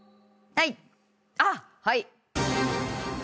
はい。